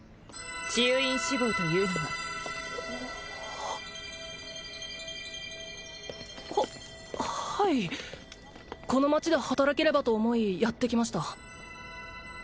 治癒院志望というのはははいこの街で働ければと思いやってきました